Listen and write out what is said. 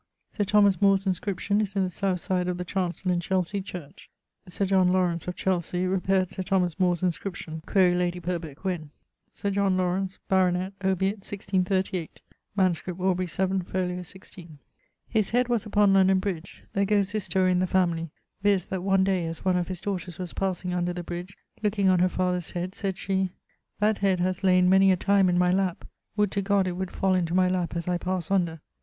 [XXXVII.] Sir Thomas More's inscription is in the south side of the chancell Sir John Laurence of Chelsey repaired Sir Thomas More's inscription (quaere lady Purbec when). Sir John Laurence, baronet, obiit 1638. MS. Aubr. 7, fol. 16. His head was upon London bridge: there goes this story in the family, viz. that one day as one of his daughters was passing under the bridge, looking on her father's head, sayd she, 'That head haz layn many a time in my lapp, would to God it would fall into my lap as I passe under.'